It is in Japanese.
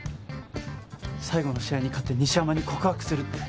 最後の試合に勝って西山に告白するって。